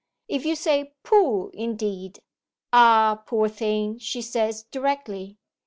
If you say, "Pooh, indeed!" "Ah, poor thing!" she says directly.